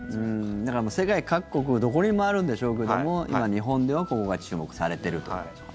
世界各国どこにもあるんでしょうけども今、日本ではここが注目されているという。